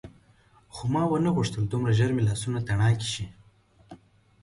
خو ما ونه غوښتل دومره ژر مې لاسونه تڼاکي شي.